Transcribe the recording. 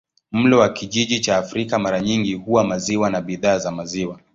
Mlo wa kijiji cha Afrika mara nyingi huwa maziwa na bidhaa za maziwa.